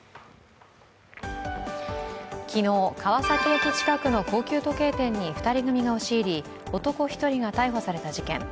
昨日、川崎駅近くの高級時計店に２人組が押し入り、男１人が逮捕された事件。